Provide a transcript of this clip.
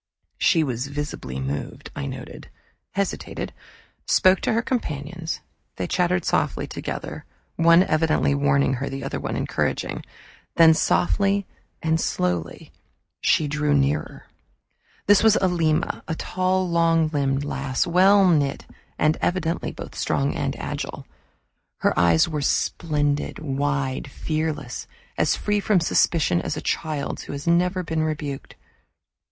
She was visibly moved, I noted, hesitated, spoke to her companions. They chattered softly together, one evidently warning her, the other encouraging. Then, softly and slowly, she drew nearer. This was Alima, a tall long limbed lass, well knit and evidently both strong and agile. Her eyes were splendid, wide, fearless, as free from suspicion as a child's who has never been rebuked.